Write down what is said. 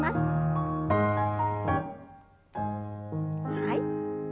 はい。